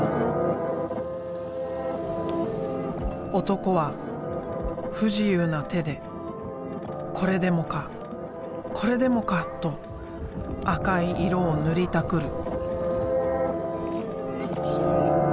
男は不自由な手でこれでもかこれでもか！と赤い色を塗りたくる。